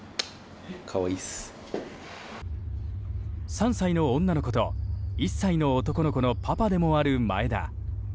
３歳の女の子と１歳の男の子のパパでもある前田。